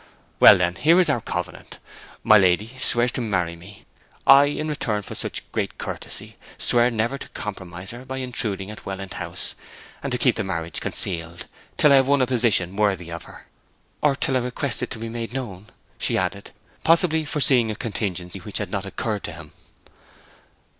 'Well, then, here is our covenant. My lady swears to marry me; I, in return for such great courtesy, swear never to compromise her by intruding at Welland House, and to keep the marriage concealed till I have won a position worthy of her.' 'Or till I request it to be made known,' she added, possibly foreseeing a contingency which had not occurred to him.